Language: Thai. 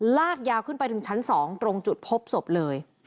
ลากยาวขึ้นไปถึงชั้น๒ตรงจุดพบศพเลย